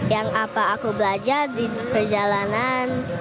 yang apa aku belajar di perjalanan